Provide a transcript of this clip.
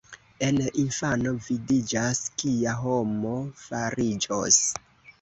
En infano vidiĝas, kia homo fariĝos.